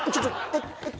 えっ？えっ？